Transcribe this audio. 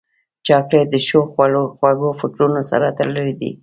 چاکلېټ د ښو خوږو فکرونو سره تړلی دی.